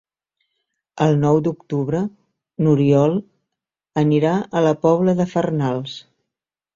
El nou d'octubre n'Oriol anirà a la Pobla de Farnals.